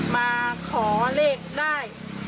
มาขอเลขได้